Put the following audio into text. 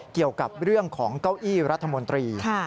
เกี่ยวกับเรื่องของเก้าอี้รัฐมนตรี